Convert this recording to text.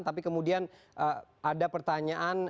tapi kemudian ada pertanyaan